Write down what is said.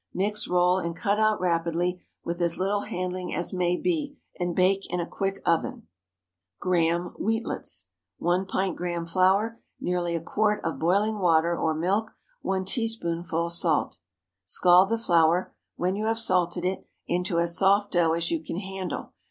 Mix, roll, and cut out rapidly, with as little handling as may be, and bake in a quick oven. GRAHAM WHEATLETS. 1 pint Graham flour. Nearly a quart of boiling water or milk. 1 teaspoonful salt. Scald the flour, when you have salted it, into as soft dough as you can handle.